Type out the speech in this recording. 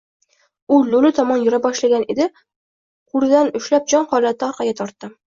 U lo‘li tomon yura boshlagan edi, qo‘lidan ushlab jonholatda orqaga tortdim.